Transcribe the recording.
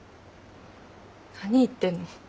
何言ってんの。